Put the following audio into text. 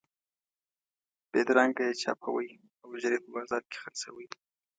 بېدرنګه یې چاپوئ او ژر یې په بازار کې خرڅوئ.